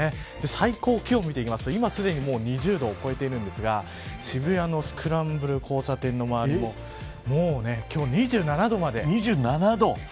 最高気温を見てきていますと今すでに２０度を超えているんですが渋谷のスクランブル交差点の周りももう、今日２７度まで。